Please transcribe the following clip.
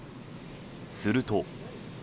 すると。